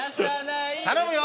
頼むよ。